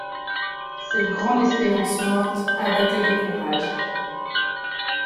Cette grande espérance morte abattait les courages.